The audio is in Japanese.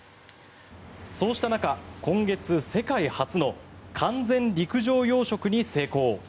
そうした中、今月世界初の完全陸上養殖に成功。